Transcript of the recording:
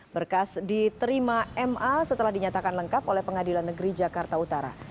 berkas diterima ma setelah dinyatakan lengkap oleh pengadilan negeri jakarta utara